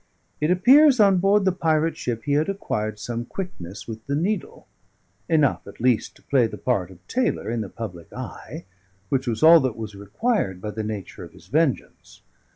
It appears, on board the pirate ship he had acquired some quickness with the needle enough, at least, to play the part of tailor in the public eye, which was all that was required by the nature of his vengeance.